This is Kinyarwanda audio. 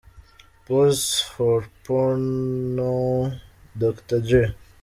Pause for porno - Dr Dre.